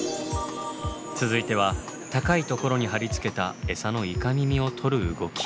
続いては高いところに貼り付けたエサのイカミミを取る動き。